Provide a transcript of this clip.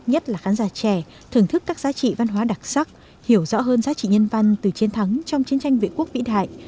nhất là khán giả trẻ thưởng thức các giá trị văn hóa đặc sắc hiểu rõ hơn giá trị nhân văn từ chiến thắng trong chiến tranh vệ quốc vĩ đại